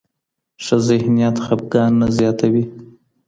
ښه ذهنیت خپګان نه زیاتوي.